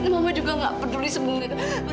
mama juga nggak peduli sebetulnya